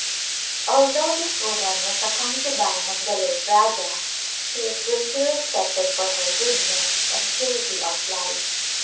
Although this woman was a concubine of the late Rajah she is greatly respected for her goodness and purity of life.